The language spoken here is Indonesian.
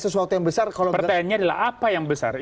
pertanyaannya adalah apa yang besar itu